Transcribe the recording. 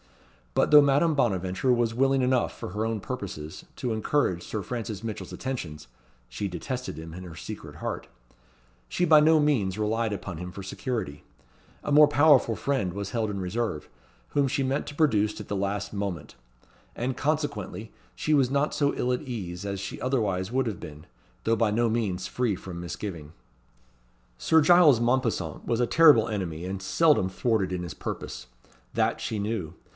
But though Madame Bonaventure was willing enough, for her own purposes, to encourage Sir Francis Mitchell's attentions (she detested him in her secret heart), she by no means relied upon him for security. A more powerful friend was held in reserve, whom she meant to produce at the last moment; and, consequently, she was not so ill at ease as she otherwise would have been, though by no means free from misgiving. Sir Giles Mompesson was a terrible enemy, and seldom thwarted in his purpose. That she knew.